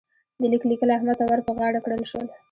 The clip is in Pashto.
د ليک لیکل احمد ته ور پر غاړه کړل شول.